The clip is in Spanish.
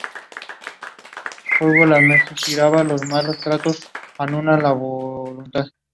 Las larvas viven en el suelo y se alimentan de raíces.